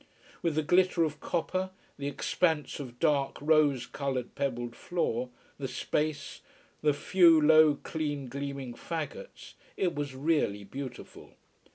With the glitter of copper, the expanse of dark, rose coloured, pebbled floor, the space, the few low, clean gleaming faggots, it was really beautiful.